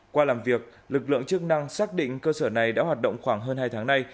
qua làm việc lực lượng chức năng xác định cơ sở này đã hoạt động khoảng hơn hai tháng nay